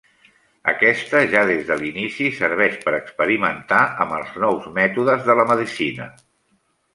Aquesta ja des de l'inici serveix per experimentar amb els nous mètodes de la medicina.